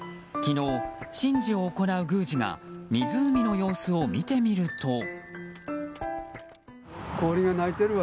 昨日、神事を行う宮司が湖の様子を見てみると。